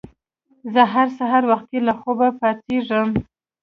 زه هر سهار وختي له خوبه پاڅیږم.